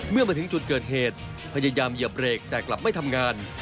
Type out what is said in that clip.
เมื่อมาถึงจุดเกิดเหตุพยายามเหยียบเบรกแต่กลับไม่ทำงาน